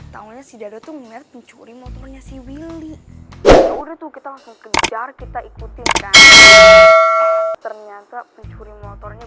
tahunnya si dato tuh mencuri motornya si willy udah tuh kita langsung kejar kita ikutin kan